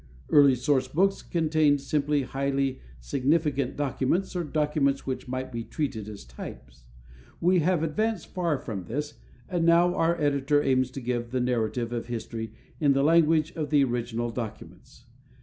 Early source books contained simply highly significant documents, or documents which might be treated as types. We have advanced far from this, and now our editor aims to give the narrative of history in the language of the original documents.